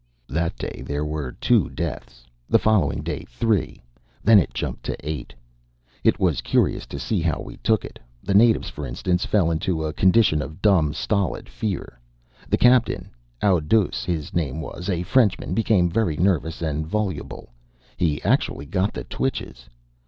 That day there were two deaths; the following day three; then it jumped to eight. It was curious to see how we took it. The natives, for instance, fell into a condition of dumb, stolid fear. The captain Oudouse, his name was, a Frenchman became very nervous and voluble. He actually got the twitches.